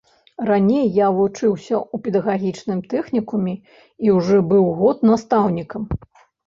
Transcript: Раней я вучыўся ў педагагічным тэхнікуме і ўжо быў год настаўнікам.